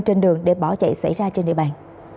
trên đường để bỏ chạy xảy ra trên địa bàn